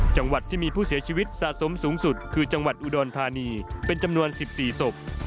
จังหวัดที่มีผู้เสียชีวิตสะสมสูงสุดคือจังหวัดอุดรธานีเป็นจำนวน๑๔ศพ